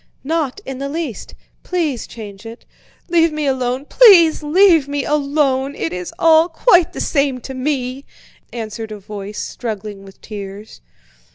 Not in the least! Please change it." "Leave me alone, please leave me alone! It is all quite the same to me," answered a voice struggling with tears.